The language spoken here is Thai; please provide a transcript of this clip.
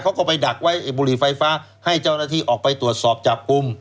เขาก็ไปดักไว้ไอ้บุหรี่ไฟฟ้าให้เจ้าหน้าที่ออกไปตรวจสอบจับกลุ่ม